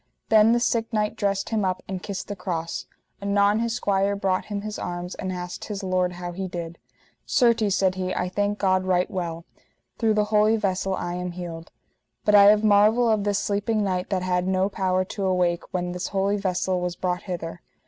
Then the sick knight dressed him up and kissed the cross; anon his squire brought him his arms, and asked his lord how he did. Certes, said he, I thank God right well, through the holy vessel I am healed. But I have marvel of this sleeping knight that had no power to awake when this holy vessel was brought hither.